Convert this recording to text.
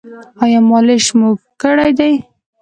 ایا مالش مو کړی دی؟